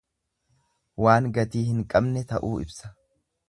Waan gatii hin qabne ta'uu ibsa.